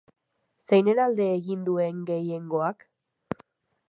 Zeinen alde egin duen gehiengoak?